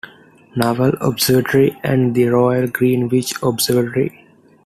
Naval Observatory and the Royal Greenwich Observatory.